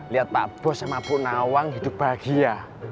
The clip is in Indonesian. lihat pak bos sama bu nawang hidup bahagia